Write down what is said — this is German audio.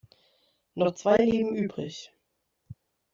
Noch zwei Leben übrig.